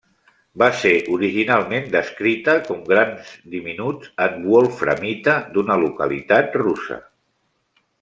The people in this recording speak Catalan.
Va ser originalment descrita com grans diminuts en wolframita d'una localitat russa.